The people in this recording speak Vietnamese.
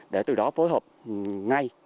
để từ đó phối hợp ngay